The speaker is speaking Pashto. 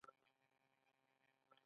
• یو مهربان سړی د نورو د خوښۍ لامل وي.